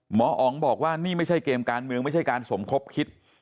หมออ๋องบอกว่านี่ไม่ใช่เกมการเมืองไม่ใช่การสมคบคิด